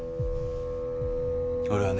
俺はね